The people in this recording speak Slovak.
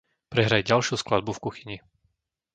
Prehraj ďalšiu skladbu v kuchyni.